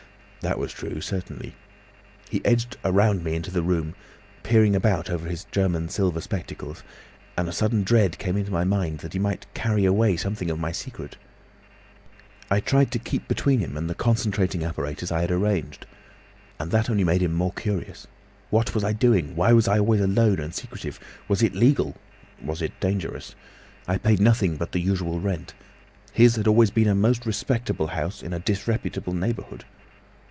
That was true, certainly. He edged round me into the room, peering about over his German silver spectacles, and a sudden dread came into my mind that he might carry away something of my secret. I tried to keep between him and the concentrating apparatus I had arranged, and that only made him more curious. What was I doing? Why was I always alone and secretive? Was it legal? Was it dangerous? I paid nothing but the usual rent. His had always been a most respectable house—in a disreputable neighbourhood.